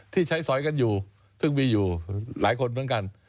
ที่ใช้สอยกันอยู่ซึ่งมีอยู่หลายคนเหมือนกัน